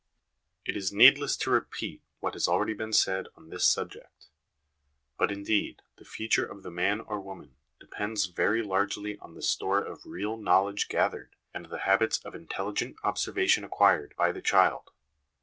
It is needless to repeat what has already been said on this subject; bnt, indeed, the future of the man or woman depends very largely on the store of real knowledge gathered, and the habits of intelligent observation acquired, by the child.